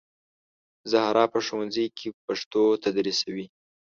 زهرا په ښوونځي کې پښتو تدریسوي